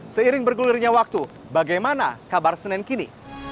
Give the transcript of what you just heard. seiring bergulirnya waktu bagaimana kabar senen kini